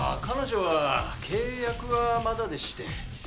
彼女は契約はまだでして。